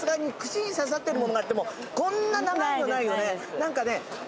何かね